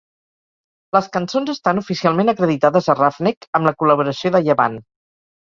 Les cançons estan oficialment acreditades a Ruffneck amb la col·laboració de Yavahn.